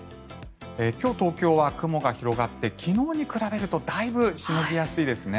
今日、東京は雲が広がって昨日に比べるとだいぶしのぎやすいですね。